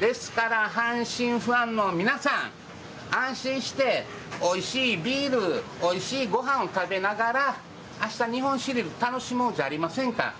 ですから阪神ファンの皆さん安心しておいしいビールおいしいごはんを食べながら明日、日本シリーズ楽しもうじゃありませんか。